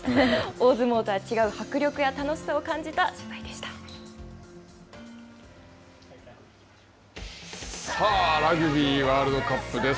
大相撲とは違うさあ、ラグビーワールドカップです。